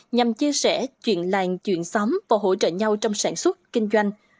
nhằm chia sẻ chuyện làng chuyện xóm và hỗ trợ nhau trong sản xuất kinh doanh